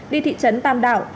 đi thị trấn tam đảo